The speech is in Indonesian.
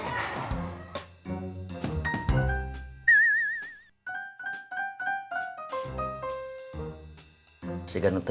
ya kan ada bang dek sama bang dor yang nemenin om esther